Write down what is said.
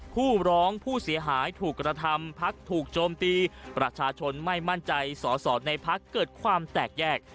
ผู้ร้องผู้เสียหายถูกกระทำพักถูกโจมตีประชาชนไม่มั่นใจสอสอในพักเกิดความแตกแยก